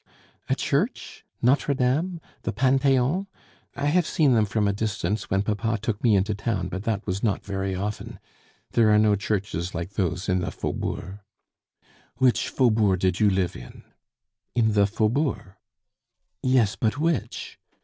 "A church? Notre Dame, the Pantheon? I have seen them from a distance, when papa took me into town; but that was not very often. There are no churches like those in the Faubourg." "Which Faubourg did you live in?" "In the Faubourg." "Yes, but which?"